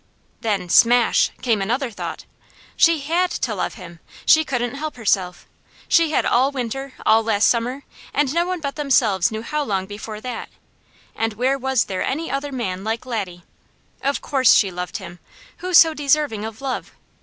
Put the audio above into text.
Then smash! came another thought. She HAD to love him! She couldn't help herself. She had all winter, all last summer, and no one but themselves knew how long before that, and where was there any other man like Laddie? Of course she loved him! Who so deserving of love?